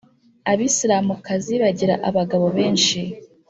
abisilamukazi bagira abagabo benshi